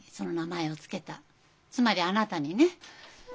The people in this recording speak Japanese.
つまりあなたにね。